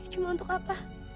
cuma untuk apa